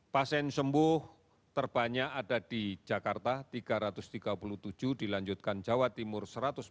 pasien sembuh terbanyak ada di jakarta tiga ratus tiga puluh tujuh dilanjutkan jawa timur satu ratus empat puluh